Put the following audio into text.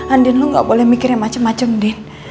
andien lu gak boleh mikir yang macem macem din